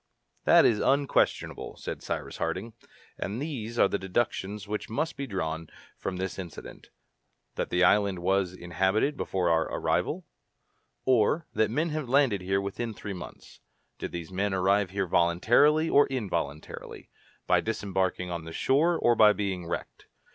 "That is unquestionable," said Cyrus Harding, "and these are the deductions which must be drawn from this incident: that the island was inhabited before our arrival, or that men have landed here within three months. Did these men arrive here voluntarily or involuntarily, by disembarking on the shore or by being wrecked?